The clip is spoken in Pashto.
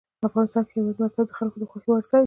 افغانستان کې د هېواد مرکز د خلکو د خوښې وړ ځای دی.